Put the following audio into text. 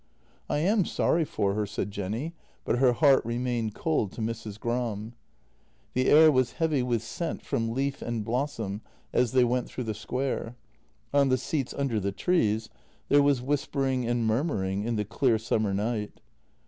" I am sorry for her," said Jenny, but her heart remained cold to Mrs. Gram. The air was heavy with scent from leaf and blossom as they went through the square. On the seats under the trees there was whispering and murmuring in the clear summer night.